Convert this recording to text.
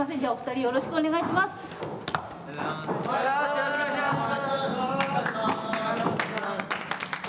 よろしくお願いします！